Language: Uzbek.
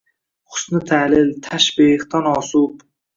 husni taʼlil, tashbeh, tanosub…